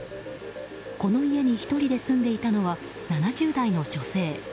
この家に１人で住んでいたのは７０代の女性。